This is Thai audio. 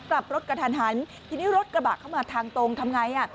กลับรถกระทันหันทีนี้รถกระบะเข้ามาทางตรงทำไงอ่ะ